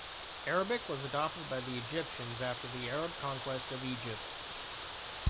Arabic was adopted by the Egyptians after the Arab conquest of Egypt.